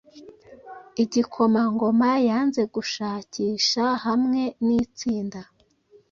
igikomangoma yanze gushakisha hamwe nitsinda